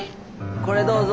これどうぞ。